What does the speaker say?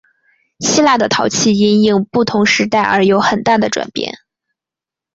希腊的陶器因应不同时代而有很大的转变。